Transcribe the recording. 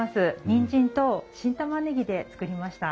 にんじんと新玉ねぎで作りました。